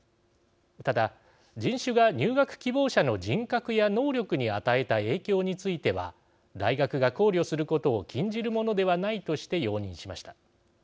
ただ人種が入学希望者の人格や能力に与えた影響については大学が考慮することを禁じるものではないとして容認しました。